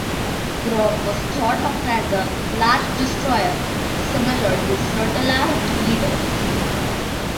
"Grom" was thought of as a large destroyer, similar to flotilla leaders.